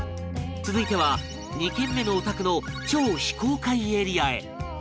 続いては２軒目のお宅の超非公開エリアへ